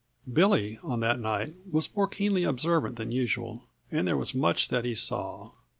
Billy, on that night, was more keenly observant than usual and there was much that he saw.